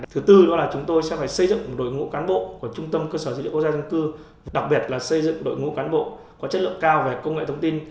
thứ tư đó là chúng tôi sẽ phải xây dựng đội ngũ cán bộ của trung tâm cơ sở dữ liệu quốc gia dân cư đặc biệt là xây dựng đội ngũ cán bộ có chất lượng cao về công nghệ thông tin